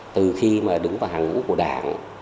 từ khi mà đứng vào hàng ngũ của đảng